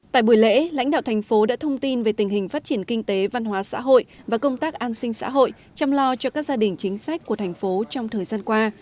tại buổi lễ lãnh đạo thành phố đã thông tin về tình hình phát triển kinh tế văn hóa xã hội và công tác an sinh xã hội chăm lo cho các gia đình chính sách của thành phố trong thời gian qua